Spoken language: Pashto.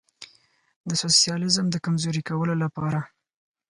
د سوسیالیزم د کمزوري کولو لپاره.